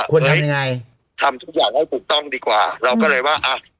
ควรจะยังไงทำทุกอย่างให้ถูกต้องดีกว่าเราก็เลยว่าอ่ะ